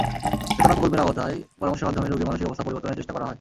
চেতনা প্রকল্পের আওতায় পরামর্শের মাধ্যমে রোগীর মানসিক অবস্থা পরিবর্তনের চেষ্টা করা হয়।